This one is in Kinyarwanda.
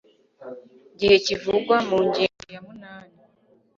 gihe kivugwa mu ngingo ya munani